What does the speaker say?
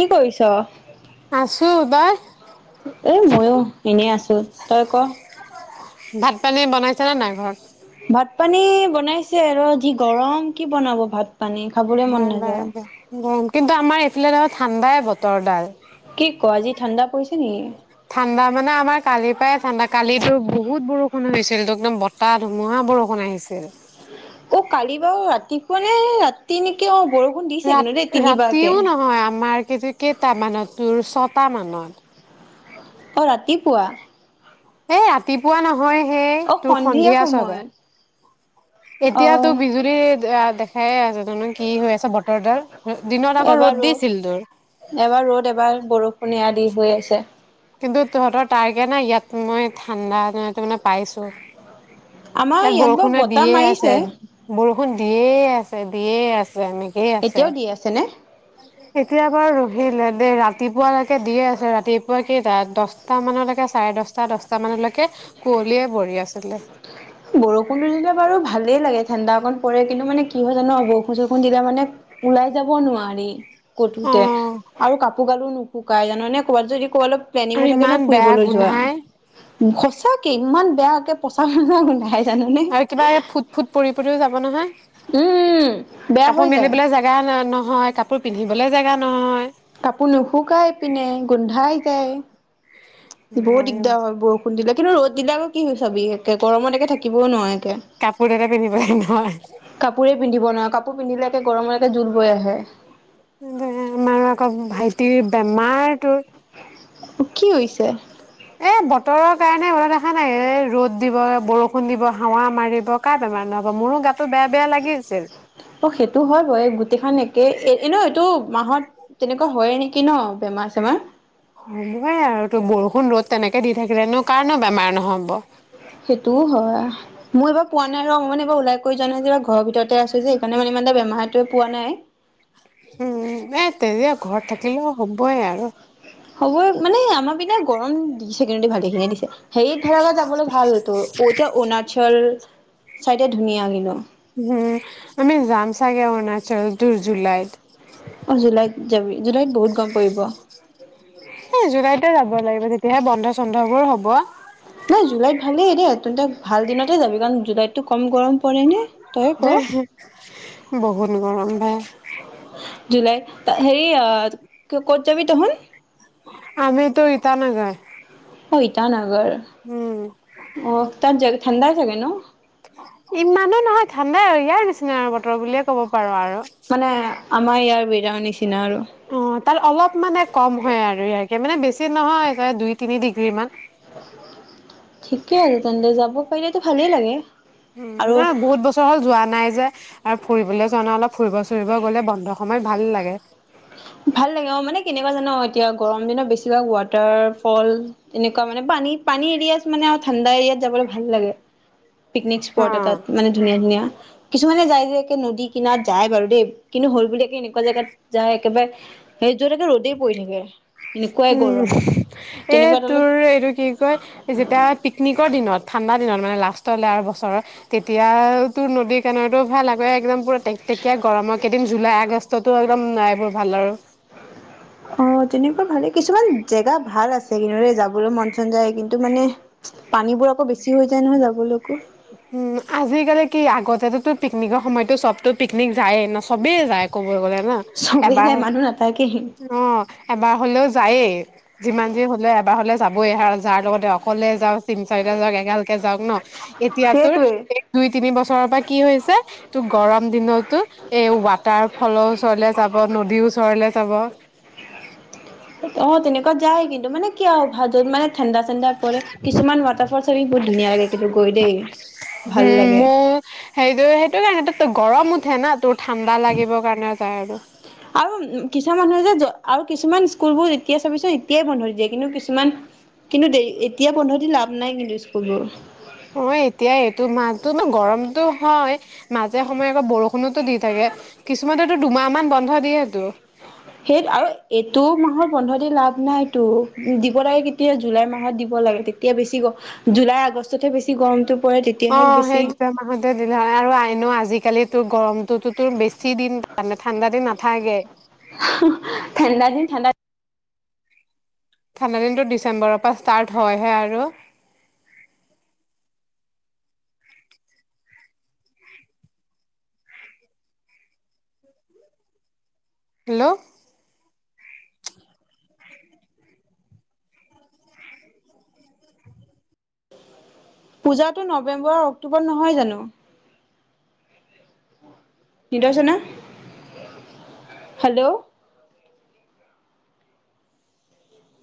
কি কৰিছ বছ এ ময়ো এনেই আছো তই ক? ভাত পানী বনাইছে নে নাই ঘৰত ভাত পানী বনাইছে আৰু যি গৰম কি বনাব ভাত পানী খাবলৈ মন হয় নাযায়। হয় কিন্তু আমাৰ ফিলৰত ঠাণ্ডাই বতৰডাল কি ক আজি ঠাণ্ডা পৰিছে নেকি? ঠাণ্ডা মানে আমাৰ কালিৰ পৰাই ঠাণ্ডা কালিতো বহুত বৰষুণ হৈছিল তো একদম বতাহ ধুমুহা বৰষুণ আহিছিল অ কালি বাৰু ৰাতিপুৱ নে ৰাতি নেকি অ বৰষুণ দিছে ৰা কিন্তু দেই তিনিবাৰকে। ৰাতিও নহয় আমাৰ কিযে কেইটামানত তোৰ চ টা মানত অ ৰাতিপুৱা এ ৰাতিপুৱা নহয় নহয় সেই অ তোৰ সন্ধিয়া ছয়টাত সময়ত। অ এতিয়া তোৰ বিজুলী দেখাইে আছে জানো কি হৈ আছে বতৰডাল দিনত আকৌ ৰ'দ দিছিল তোৰ এবাৰ ৰ'দ এবাৰ বৰষুণ এয়া দি হৈ আছে কিন্তু তহঁতৰ তাৰকে নাই ইয়াত মই ঠাণ্ডা ত মানে পাইছো আমাৰ ইয়াত বাৰু বৰষুণৰ বতাহ দিয়ে মাৰিছে। আছে বৰষুণ বৰষুণ দিয়ে আছে দিয়ে আছে এনেকেই আছে এতিয়াও দি আছেনে এতিয়া বাৰু ৰহিলে দেই ৰাতিপুৱালৈকে দিয়ে আছ ৰাতিপুৱা কেই দহটা মানলৈকে চাৰে দহটা দশটা মানলৈকে কুঁৱলীয়ে বহি আছিলে বৰষুণটো দিছে বাৰু ভালেই লাগে ঠাণ্ডাত ঠাণ্ডা পৰে কিন্তু মানে কি হয় জানো হব বৰষুণ বৰষুণ দিলে মানে ওলাই যাব নোৱাৰি অ কতোতে আৰু কাপোৰ গালো ন শুকাই জান ননে ক'বাত যদি অলপ প্লেনিং আৰু থাকে ন ইমান বেয়া ফুৰিবলৈ যোৱা গোন্ধাই সঁচাকে ইমান বেয়াকে পচা গোন্ধাই জাননে আৰু কিবা ফুট ফুট পৰি পৰিও যাব উম নহয় বেয়া হৈ কাপোৰ যায় মেলিবলৈ জোগা নহয় কাপোৰ পিন্ধিবলে জোগা নহয় কাপোৰ নুশুকাই পিনে গোন্ধাই যায় সেই বহুত দিগদাৰ হয় বৰষুণ দিলে কিন্তু ৰ'দবিলাকো কি চবিি একে গৰমত একে থাকিবও নোৱাৰে একে কাপোৰ এটা পিন্ধিব নহয় গৰমৰ এটা জোল বৈ আহে আমাৰ আকৌ ভাইটিৰ বেমাৰতে কি হৈছে এই বতৰৰ কাৰণে মল দেখা নাই এই ৰ'দ দিব বৰষুণ দিব হাৱা মাৰিব কাৰ বেমাৰ নহ'ব মোৰো গাতটো বেয়া বেয়া লাগি আছিল অ সেইটো হয় ব এই গোটেই খন একে এ এ ন এইটো মাহত তেনেকুৱা হয়ে নেকি ন বেমাৰ চেমাৰ হ'বই আৰু তোৰ বৰষুণ ৰ'দ তেনেকে দি থাকিলেনো কাৰনো বেমাৰ নহ'ব সেইটোও হয় মই এইবাৰ পোৱা নাই ৰ অ মান এইবাৰ ওলাই ক জানাই যেিব ঘৰৰ ভিতৰতে আছো যে সেইকাৰণে মানে ইমান এটা বেমাৰতোৱে পোৱা নাই উম এ তেতিয়া ঘৰত থাকিলেও হ'বইে আৰু হব মানে আমাৰ পিনে গৰম দিছে ভালেখিনিয়ে দিছে সেই বিলাকত যাবলৈ ভাল হতো এতিয়া অৰুণাচল চাওতে ধুনীয়া লাগিব উম আমি যাম চাগে অৰুণাচল তিনি জুলাইত অ জুলাইত যাবি জুলাইত বহুত গৰম [unintelligible] এই জুলাইতে যাব লাগিব তেতিয়াহে বন্ধ চন্ধ বোৰ হব নাই জুলাইত ভালেই দেই তেন্তে ভাল দিনতে যাবি কাৰণ জুলাইতটো কম গৰম পৰে নে তইয়ে ক বহুত গৰম ভাই জুলাই হেৰি ক'ত যাবি তহত আমি তো ইটানগৰ অ ইটানগৰ উম অ অ তাত যাবি থঠণ্ডা ছাগে ন ইমানো নহয় ঠাণ্ডাই আৰু ইয়াৰ নিচিনা আৰু বতৰ বুলিয়ে ক'ব পাৰা আৰু মানে আমাৰ ইয়াৰ জেগাৰ নিচিনা আৰু অ তাত অলপ মানে কম হয় আৰু মানে বেছি নহয় দুই তিনি ডিগ্ৰী মান ঠিকে আছে তেন্তে যাব পাৰিলেতো ভালেই লাগে উম আৰু অ বহুত বছৰ হ'ল যোৱা নাই যে আৰু ফুৰিবলৈ যোৱা ন অলপ ফুৰিব ফুৰিব গ'লে বন্ধ সময়ত ভাল লাগে ভাল লাগে অ মানে কেনেকুৱা জানো এতিয়া গৰম দিনত বেছিভাগ ৱাটাৰ ফল এনেকুৱা মানে পানী পানী এৰিয়াাত মানে ঠাণ্ডা এৰিয়াত যাবলৈ ভাল লাগে পিকনিক অ স্পট এটাত মানে ধুনীয়া ধুনীয়া কিছুমানে যায় যে নদী কিনাত যায় বাৰু দেই কিন্তু হ ল বুলিও এনেকুৱা জেগাত যায় একেবাৰে সেই জাগাত ৰ'দেই পৰি থাকে এনেকুৱাই উম গৰম এ তেনেকুৱা তলত তোৰ এইটো কি কয় যেতিয়া পিকনিকৰ দিনত ঠাণ্ডা দিনত মানে লাষ্ট আৰু বছৰৰ তেতিয়া তোৰ নদী কণৰতো ভাল আে একদম পুৰা তে তেকয়া গৰমৰ কেইদিন জুলাই আগষ্টতো একদম নাইবোৰ ভাল আৰু অ তেনেকুৱা ভালে কিছুমান জেগা ভাল আছে ৰেলে যাবলৈ মন চন যায় কিন্তু মানে পানীবোৰ আকৌ বেছিহৈ যায় নহয় যাব উম আজিকালি কি আগতে তাতো পিকনিকৰ সময়তো চবতো পিকনিক যায়েই ন চবেই যায় ক'ব গ'লে ন চবেই এবাৰ যায় মানুহ নাথাকেই অ এবাৰ হ'লেও যায়েই যিমান যি হলে এবাৰ হলে যাবই আৰু যাৰ লগতে অকলে যাক তিন চাৰিটা যাওক এগালকে যাওঁক ন এতিয়া তোৰ সেইটোৱে এই দুই তিনি বছৰৰ পৰা কি হৈছে তোৰ গৰম দিনতো এই ৱাটাৰ ফ্ৰলৰ ওচৰলে যাব নদীৰ ওচৰলে যাব [unintelligible] অ তেনেকুৱা যায় কিন্তু মানে কিয় অ ভাদত মানে ঠাণ্ডা ঠাণ্ডা পৰে কিছুমান ৱাটাৰফলছ আমি বহুত ধুনীয়া লাগে কিন্তু গৈ দেই ভাল হম লাগে মোৰ সেইটো সেইটো কাৰণেতো গৰম কাৰনো আৰু আৰু কিছুমান মানুহে যে আৰু কিছুমান স্কুলবোৰ যেতিয়া চাবিছোন এতিয়াই বন্ধ দিয়ে কিন্তু কিছুমান কিন্তু এতিয়া বন্ধ দি লাভ নাই কিন্তু স্কুলবোৰ অ এতিয়াই এইটো মাহতো গৰমতো হয় মাজে সময়ে আকৌ বৰষুণতো দি থাকে কিছুমানতো দুমাহ মান বন্ধ দিয়ে সটো সেই আৰু এইটো মাহৰ বন্ধৰ দিন লাভ নাইতটো দিব লাগে কেতিয়া জুলাই মাহত দিব লাগে তেতিয়া বেছি জুলাই আগষ্টতহে বেছি গৰমটো পৰে অ তেতিয়াহে বেছি সেই দুটা মাহতে দিলে হয় আৰু আইন আজিকালি টো গৰম তোৰ বেছি দিন ঠাণ্ডা দিন নাথাকে ঠাণ্ডা দিন ঠাণ্ডা ঠাণ্ডা দিনটো ডিচেম্বৰৰ পৰা ষ্টাৰ্ট হয়হে আৰু হেল্ল' পূজাটো নৱেম্বৰ অক্টোব নহয় জানো নিদনা হেল্ল'